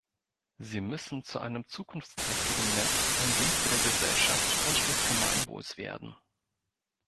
Sie müssen zu einem zukunftsträchtigen Netz im Dienste der Gesellschaft und des Gemeinwohls werden.